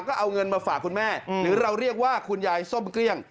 ก็เอาเงินมาฝากคุณแม่หรือเราเรียกว่าคุณยายส้มเกลี้ยง